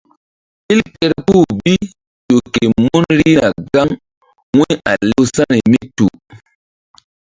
Ɓil kerpuh bi ƴo ke mun rihna gaŋ wu̧y a lewsa̧ri mí tu.